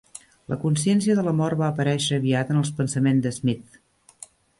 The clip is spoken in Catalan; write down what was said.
La consciència de la mort va aparèixer aviat en els pensaments d'Smith.